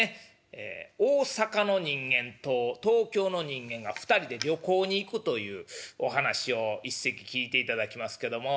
ええ大阪の人間と東京の人間が２人で旅行に行くというお噺を一席聴いていただきますけども。